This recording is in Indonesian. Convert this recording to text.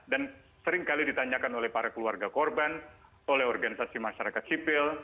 dan seringkali ditanyakan oleh para keluarga korban oleh organisasi masyarakat sipil